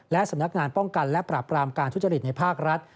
และสำนักงานป้องกันและปราบรามการทุจริตในภาครัฐ